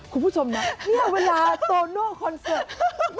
คุณผู้ชมนะเนี่ยเวลาโตโน่คอนเสิร์ต